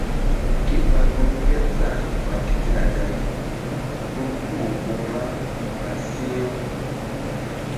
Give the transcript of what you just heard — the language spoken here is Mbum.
Ke ɓa gun Ŋgerzah ɓa ketina gaŋ gun kú-u mbuŋ ra ɓah si̧h-u.